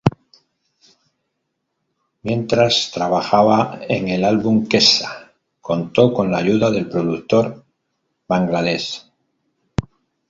Mientras trabajaba en el álbum Kesha contó con la ayuda del productor Bangladesh.